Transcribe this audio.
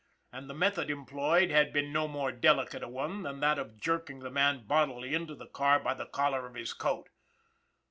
And the method employed had been no more delicate a one than that of jerking the man bodily into the car by the collar of his coat.